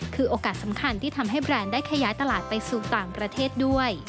คือโอกาสสำคัญที่ทำให้แบรนด์ได้ขยายตลาดไปสู่ต่างประเทศด้วย